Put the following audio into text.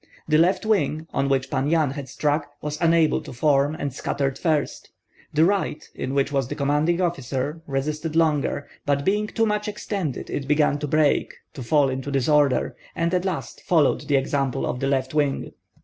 The left wing, on which Pan Yan had struck, was unable to form, and scattered first; the right, in which was the commanding officer, resisted longer, but being too much extended, it began to break, to fall into disorder, and at last followed the example of the left wing.